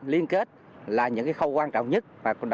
liên kết là những cái khâu quan trọng nhất